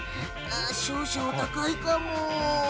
少々高いかも。